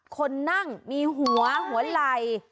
คนนั่งมีหัวหัวไหล่